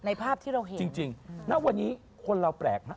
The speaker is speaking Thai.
ภาพที่เราเห็นจริงณวันนี้คนเราแปลกฮะ